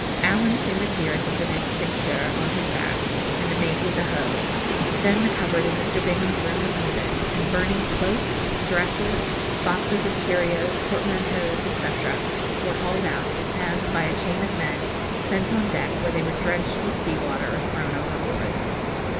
Allen soon appeared with an extincteur on his back, and the mate with the hose. Then the cupboard in Mr. Bingham's room was opened, and burning cloaks, dresses, boxes of curios, portmanteaus, &c., were hauled out, and, by a chain of men, sent on deck, where they were drenched with sea water or thrown overboard.